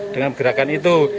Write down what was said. dengan gerakan itu